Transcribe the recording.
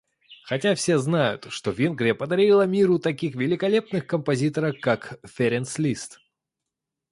хотя все знают, что Венгрия подарила миру таких великих композиторов как Ференц Лист